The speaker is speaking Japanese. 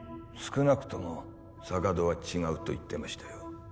少なくとも坂戸は「違う」と言ってましたよ